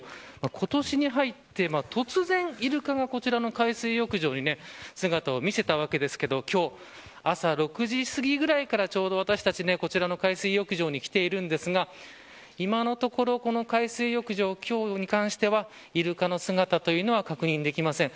今年に入って、突然イルカがこちらの海水浴場に姿を見せたわけですが今日は朝６時すぎぐらいからちょうど私達、こちらの海水浴場に来ているんですが今のところこの海水浴場、今日に関してはイルカの姿というのは確認できません。